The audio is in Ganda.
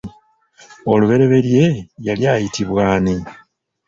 Olubereberye yali ayitibwa ani?